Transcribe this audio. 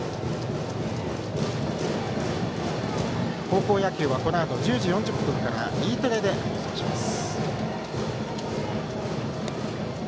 高校野球はこのあと１０時４０分からＥテレで放送します。